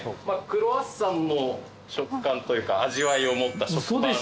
クロワッサンの食感というか味わいを持った食パン。